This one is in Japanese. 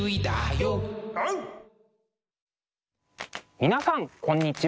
皆さんこんにちは。